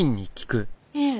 ええ。